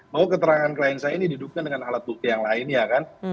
bahwa keterangan klien saya ini didukung dengan alat bukti yang lain ya kan